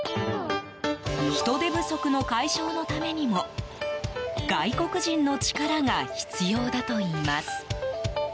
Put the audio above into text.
人手不足の解消のためにも外国人の力が必要だといいます。